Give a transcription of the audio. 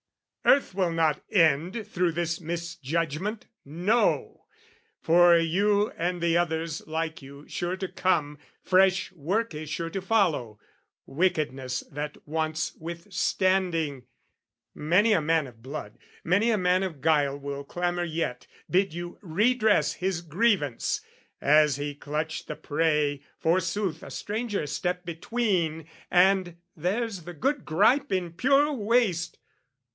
Earth will not end through this misjudgment, no! For you and the others like you sure to come, Fresh work is sure to follow, wickedness That wants withstanding. Many a man of blood, Many a man of guile will clamour yet, Bid you redress his grievance, as he clutched The prey, forsooth a stranger stepped between, And there's the good gripe in pure waste!